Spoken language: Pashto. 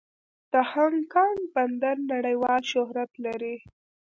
د هانګ کانګ بندر نړیوال شهرت لري.